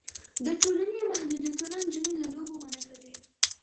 د ټولنې محدودیتونه نجونې له لوبو منع کوي.